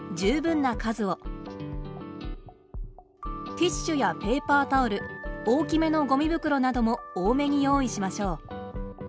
ティッシュやペーパータオル大きめのゴミ袋なども多めに用意しましょう。